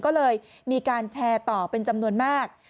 ก็เลยมีการแชร์ต่อเป็นจำนวนมาก